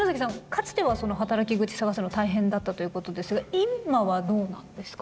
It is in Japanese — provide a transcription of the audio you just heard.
かつてはその働き口探すの大変だったということですが今はどうなんですか？